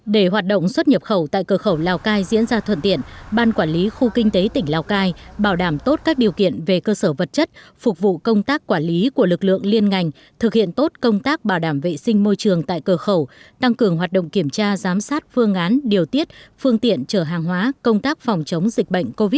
để hoạt động xuất nhập khẩu tại cửa khẩu lào cai diễn ra thuận tiện ban quản lý khu kinh tế tỉnh lào cai bảo đảm tốt các điều kiện về cơ sở vật chất phục vụ công tác quản lý của lực lượng liên ngành thực hiện tốt công tác bảo đảm vệ sinh môi trường tại cửa khẩu tăng cường hoạt động kiểm tra giám sát phương án điều tiết phương tiện chở hàng hóa công tác phòng chống dịch bệnh covid một mươi chín